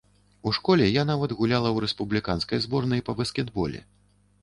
У школе я нават гуляла ў рэспубліканскай зборнай па баскетболе.